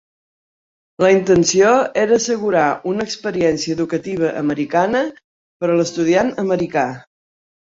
La intenció era assegurar una experiència educativa americana per a l'estudiant americà.